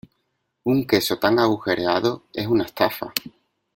¡Un queso tan agujereado es una estafa!